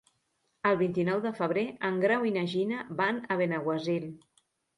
El vint-i-nou de febrer en Grau i na Gina van a Benaguasil.